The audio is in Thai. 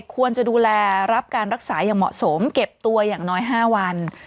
ควรจะดูแลรับการรักษาอย่างเหมาะสมเก็บตัวอย่างน้อย๕วัน